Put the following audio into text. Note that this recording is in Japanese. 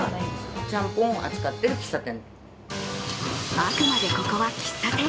あくまで、ここは喫茶店。